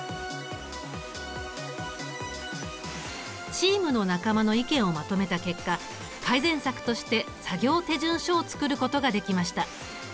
チームの仲間の意見をまとめた結果改善策として作業手順書を作ることができました。